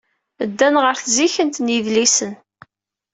Ddan ɣer tzikkent n yidlisen.